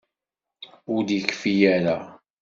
Ur d-yekfi ara.